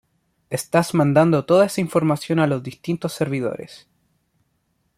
estás mandando toda esa información a los distintos servidores